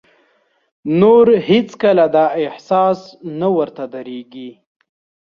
نور هېڅ کله دا احساس نه ورته درېږي.